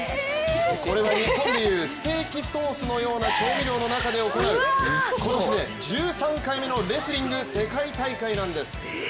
これは日本でいうステーキソースのような調味料の中で行う今年で１３回目のレスリング世界大会なんです。